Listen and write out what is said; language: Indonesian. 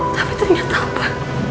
tapi ternyata apa